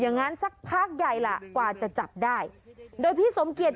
อย่างนั้นสักพักใหญ่ล่ะกว่าจะจับได้โดยพี่สมเกียจ